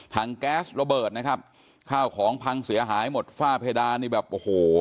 แก๊สระเบิดนะครับข้าวของพังเสียหายหมดฝ้าเพดานนี่แบบโอ้โห